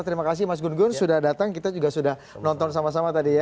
terima kasih mas gun gun sudah datang kita juga sudah nonton sama sama tadi ya